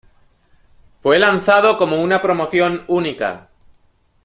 Fue lanzado como una promoción única.